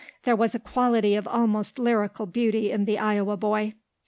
There was a quality of almost lyrical beauty in the Iowa boy.